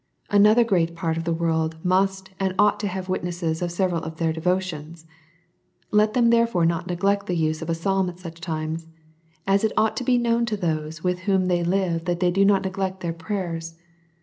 Another great part of the world must and ought to have witnesses of several of their devotions ; let them therefore not neglect the use of a psalm at such times as it ought to be known to those with whom they live, that they do not neglect their prayers.